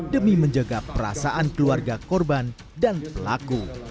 demi menjaga perasaan keluarga korban dan pelaku